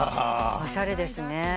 おしゃれですね。